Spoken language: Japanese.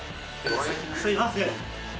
すみません。